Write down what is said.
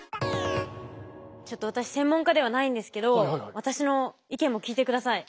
ちょっと私専門家ではないんですけど私の意見も聞いてください。